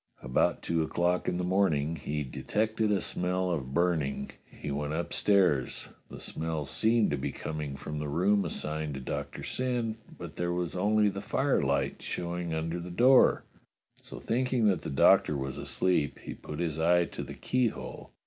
About two o'clock in the morning he de tected a smell of burning. He went upstairs. The smell seemed to be coming from the room assigned to Doctor Syn, but there was only the firelight showing under the door, so thinking that the Doctor was asleep, he put his eye to the keyhole.